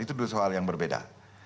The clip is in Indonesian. itu soal yang berbeda